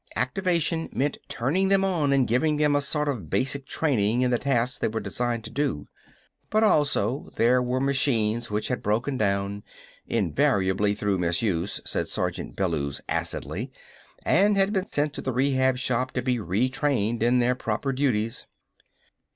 Activation meant turning them on and giving them a sort of basic training in the tasks they were designed to do. But also there were machines which had broken down invariably through misuse, said Sergeant Bellews acidly and had been sent to the Rehab Shop to be re trained in their proper duties.